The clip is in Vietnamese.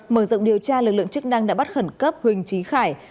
mở rộng điều tra lực lượng chức năng đã bắt khẩn cấp huỳnh trí khải